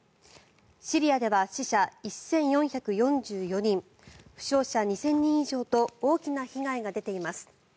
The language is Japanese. シリアでは死者１４４４人負傷者２０００人以上と大きな被害が出ています。